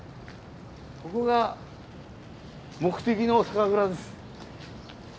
ここが目的の酒蔵です。